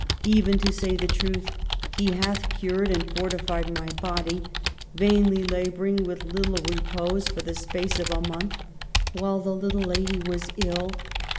Even (to say the truth) he hath cured and fortified my body, vainly laboring with little repose, for the space of a month, while the little lady was ill.